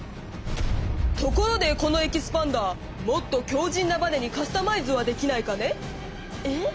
「ところでこのエキスパンダーもっときょうじんなバネにカスタマイズはできないかね？」。え？